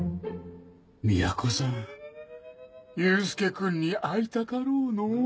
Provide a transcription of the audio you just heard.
みやこさん祐介君に会いたかろうのう。